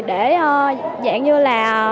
để dạng như là